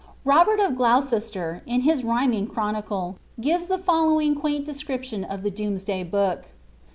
[lobert of Gloucester, in his rhyming chronicle, gives the following }naint description of the Domesday book.